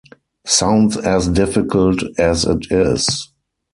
Sounds as difficult as it is.